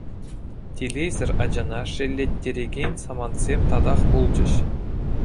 Телейсӗр ачана шеллеттерекен самантсем татах пулчӗҫ.